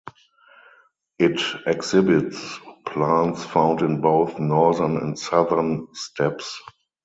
It exhibits plants found in both northern and southern steppes.